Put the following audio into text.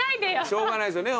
しょうがないですよね。